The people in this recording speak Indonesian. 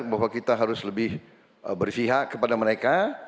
bahwa kita harus lebih bersihak kepada mereka